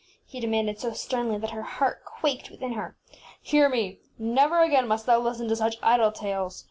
ŌĆÖ he demanded, so sternly that her heart quaked within her. ŌĆś Hear me! Never again must thou listen to such idle tales.